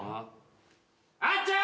あっちゃん！